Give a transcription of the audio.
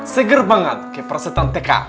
seger banget kayak prasetan tk